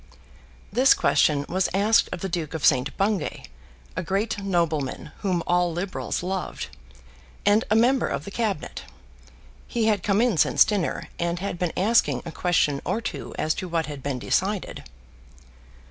This question was asked of the Duke of St. Bungay, a great nobleman whom all Liberals loved, and a member of the Cabinet. He had come in since dinner, and had been asking a question or two as to what had been decided.